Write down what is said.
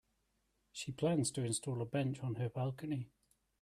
She plans to install a bench on her balcony.